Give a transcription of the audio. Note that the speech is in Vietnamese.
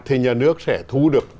thì nhà nước sẽ thu được